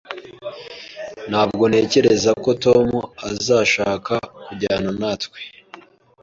Ntabwo ntekereza ko Tom azashaka kujyana natwe.